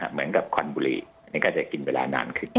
เหมือนกับควันบุรีนี่ก็จะกินเวลานานขึ้น